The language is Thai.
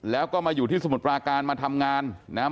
แล้วก็มาอยู่ที่สมุทรปราการมาทำงานนะครับ